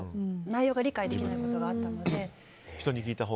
内容が理解できないことがあったので。